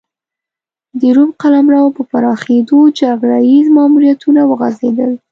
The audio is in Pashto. د روم قلمرو په پراخېدو جګړه ییز ماموریتونه وغځېدل